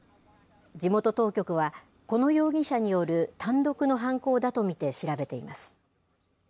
地元当局は、この容疑者による単独の犯行だと見て調べています。